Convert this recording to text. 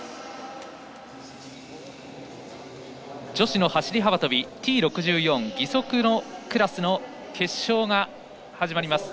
女子の走り幅跳びＴ６４、義足のクラスの決勝が始まります。